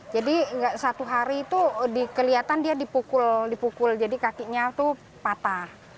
jadi satu hari tuh kelihatan dia dipukul jadi kakinya tuh patah